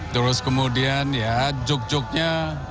terus kemudian ya juk juknya